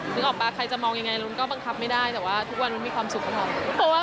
นึกออกป่ะใครจะมองยังไงลุ้นก็บังคับไม่ได้แต่ว่าทุกวันมีความสุขก็พอ